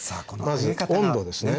まず温度ですね。